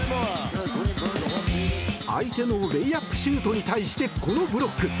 相手のレイアップシュートに対して、このブロック！